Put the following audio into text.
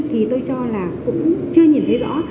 thì tôi cho là cũng chưa nhìn thấy rõ